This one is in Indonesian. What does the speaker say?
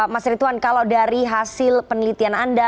mas rituan kalau dari hasil penelitian anda